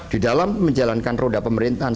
di dalam menjalankan roda pemerintahan